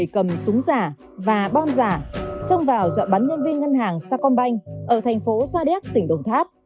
các giả xông vào dọa bắn nhân viên ngân hàng sacombank ở thành phố sa đéc tỉnh đồng tháp